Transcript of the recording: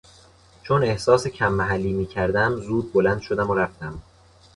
چون احساس کم محلی میکردم زود بلند شدم و رفتم.